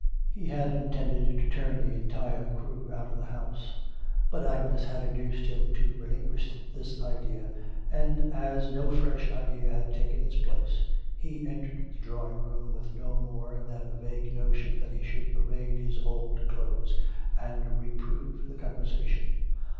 He had intended to turn the entire crew out of the house; but Agnes had induced him to relinquish this idea, and, as no fresh idea had taken its place, he entered the drawing room with no more than a vague notion that he should parade his old clothes, and reprove the conversation.